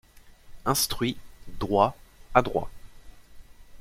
Instruit, droit, adroit